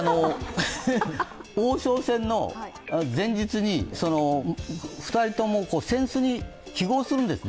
王将戦の前日に、２人とも扇子に揮ごうするんですね。